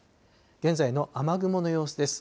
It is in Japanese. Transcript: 現在の雨雲の様子です。